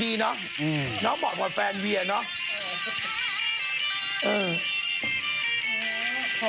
น้องเหมาะกับแฟนเวียเนาะ